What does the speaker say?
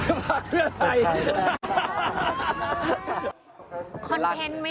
ขอบคุณค่ะครับเพื่อใครไปเปลี่ยนแปลงภาคศาสตร์ประเทศไทย